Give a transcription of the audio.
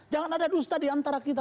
jangan ada dusta diantara kita